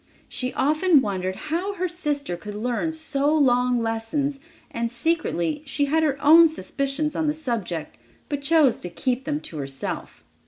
She often wondered how her sister could learn so long lessons, and, secretly, she had her own suspicions on the subject, but chose to keep them to herself.